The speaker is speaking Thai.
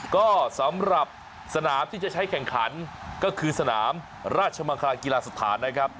ก็สำหรับสนามที่จะใช้แข่งขันก็คือสนามราชมังคลากีฬาสถานนะครับ